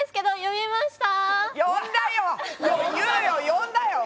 呼んだよ！